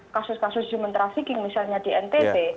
kasus kasus human trafficking misalnya di ntb